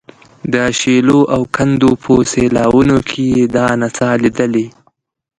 د شیلو او کندو په سیلاوونو کې یې دا نڅا لیدلې.